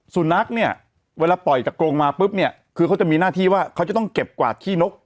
สุนัขเนี่ยเวลาปล่อยจากกรงมาปุ๊บเนี่ยคือเขาจะมีหน้าที่ว่าเขาจะต้องเก็บกวาดขี้นก